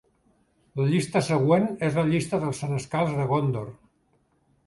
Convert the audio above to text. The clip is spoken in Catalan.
La llista següent és la llista dels Senescals de Góndor.